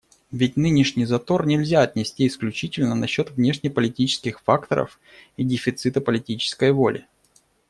Ведь нынешний затор нельзя отнести исключительно на счет внешнеполитических факторов и дефицита политической воли.